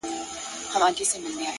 هڅاند زړونه ژر نه ستړي کېږي!